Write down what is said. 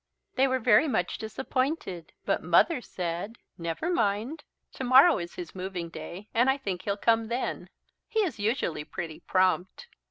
They were very much disappointed but Mother said: "Never mind, tomorrow is his Moving Day and I think he'll come then. He is usually pretty prompt."